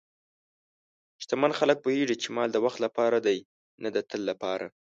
شتمن خلک پوهېږي چې مال د وخت لپاره دی، نه د تل لپاره.